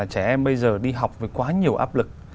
trẻ em bây giờ đi học với quá nhiều áp lực